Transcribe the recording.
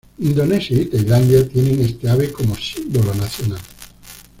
Indonesia y Tailandia tienen esta ave como símbolo nacional.